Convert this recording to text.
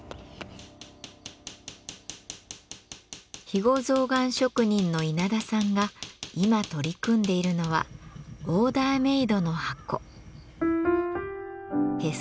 肥後象がん職人の稲田さんが今取り組んでいるのはオーダーメードの箱。